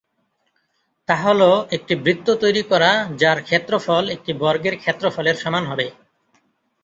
তা হল একটি বৃত্ত তৈরী করা যার ক্ষেত্রফল একটি বর্গের ক্ষেত্রফলের সমান হবে।